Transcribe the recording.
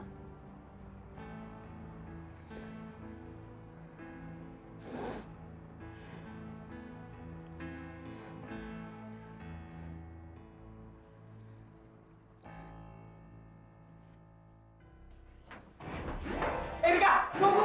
erika tunggu kak